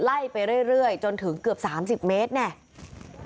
ไล่ไปเรื่อยเรื่อยจนถึงเกือบสามสิบเมตรเนี่ย